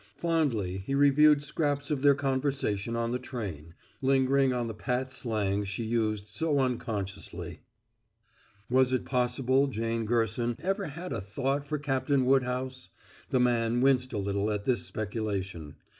Fondly he reviewed scraps of their conversation on the train, lingering on the pat slang she used so unconsciously. Was it possible Jane Gerson ever had a thought for Captain Woodhouse? The man winced a little at this speculation.